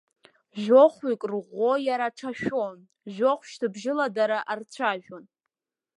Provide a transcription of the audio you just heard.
Жәохәҩык рыӷәӷәо иара аҽашәон, жәохә шьҭыбжьыла дара арцәажәон.